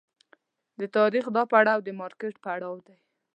د تاریخ دا پړاو د مارکېټ پړاو دی.